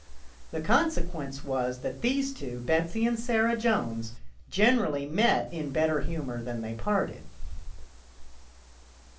The con sequence was that these two, Betsy and Sarah Jones, generally met in better humour than they parted.